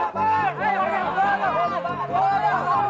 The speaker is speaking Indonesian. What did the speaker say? kau sudah diangkat